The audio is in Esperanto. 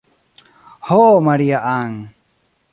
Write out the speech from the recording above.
Ho Maria-Ann!